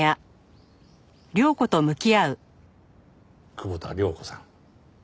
久保田涼子さん。